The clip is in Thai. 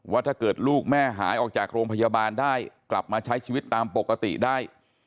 ถ้าเกิดลูกแม่หายออกจากโรงพยาบาลได้กลับมาใช้ชีวิตตามปกติได้